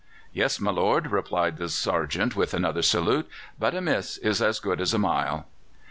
"Yes, my lord," replied the sergeant, with another salute; "but a miss is as good as a mile."